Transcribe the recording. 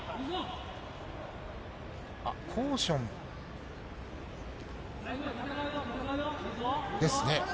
あっ、コーションですね。